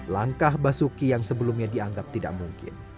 langkah basuki yang sebelumnya dianggap tidak mungkin